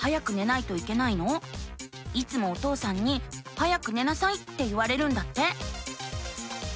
いつもお父さんに「早く寝なさい」って言われるんだって。